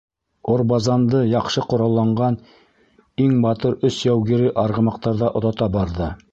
Орбазанды яҡшы ҡоралланған иң батыр өс яугиры арғымаҡтарҙа оҙата бара.